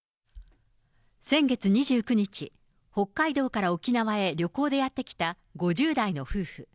先月２９日、北海道から沖縄へ旅行でやって来た５０代の夫婦。